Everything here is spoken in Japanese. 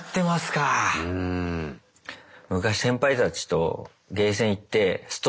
昔先輩たちとゲーセン行ってスト